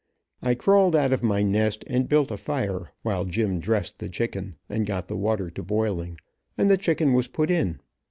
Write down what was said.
I crawled out of my nest and built a fire, while Jim dressed the chicken, and got the water to boiling, and the chicken was put in.